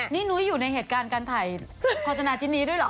นี่นุ้ยอยู่ในเหตุการณ์การถ่ายโฆษณาชิ้นนี้ด้วยเหรอ